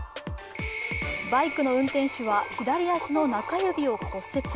バイクの運転手は左足の中指を骨折。